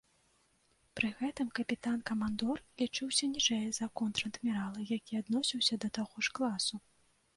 Пры гэтым капітан-камандор лічыўся ніжэй за контр-адмірала, які адносіўся да таго ж класу.